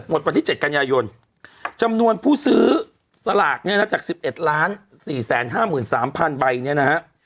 วันที่๗กันยายนจำนวนผู้ซื้อสลากเนี่ยนะจาก๑๑๔๕๓๐๐ใบเนี่ยนะฮะ